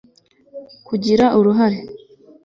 kugira uruhare